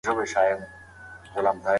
انا هلک په تېزۍ سره وواهه.